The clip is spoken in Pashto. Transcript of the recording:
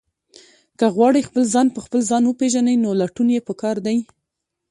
که غواړئ خپل ځان په خپل ځان وپېژنئ، نو لټون یې پکار دی.